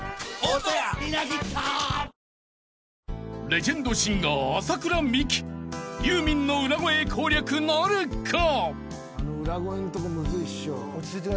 ［レジェンドシンガー麻倉未稀ユーミンの裏声攻略なるか？］